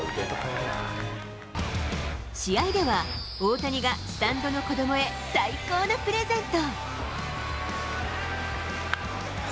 試合では、大谷がスタンドの子どもへ最高のプレゼント。